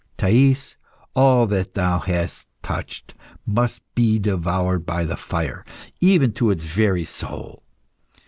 Thais, all that thou hast touched must be devoured by the fire, even to its very soul.